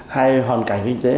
hay hoàn cảnh kinh tế